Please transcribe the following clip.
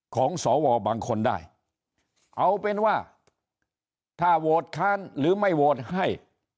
ของสวบางคนได้เอาเป็นว่าถ้าโหวตค้านหรือไม่โหวตให้